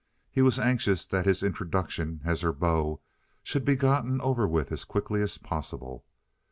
He was anxious that his introduction, as her beau, should be gotten over with as quickly as possible.